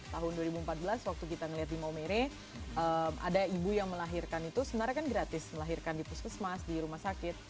tahun dua ribu empat belas waktu kita ngeliat di maumere ada ibu yang melahirkan itu sebenarnya kan gratis melahirkan di puskesmas di rumah sakit